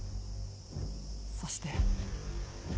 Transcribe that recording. そして。